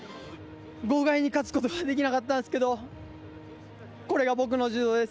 豪快に勝つことはできなかったんですけど、これが僕の柔道です。